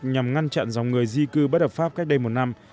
nhằm ngăn chặn dòng người di cư bất hợp pháp cách đây một năm